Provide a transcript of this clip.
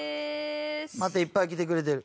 またいっぱい来てくれてる。